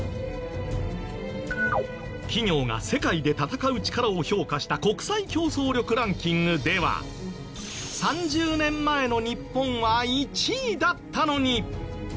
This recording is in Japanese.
企業が世界で戦う力を評価した国際競争力ランキングでは３０年前の日本は１位だったのに。